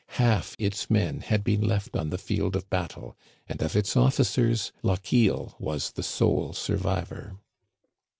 Half its men had been left on the field of bat tle, and of its officers Lochiel was the sole survivor.